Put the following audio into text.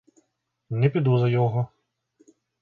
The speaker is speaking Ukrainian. Не піду за його!